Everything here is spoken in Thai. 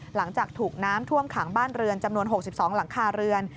หลังจากถูกน้ำท่วมขังบ้านเรือนจำนวน๖๒หลังคาเรือน